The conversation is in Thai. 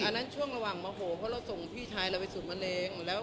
อันนั้นช่วงระหว่างโมโหเพราะเราส่งพี่ชายเราไปสูดมะเร็งแล้ว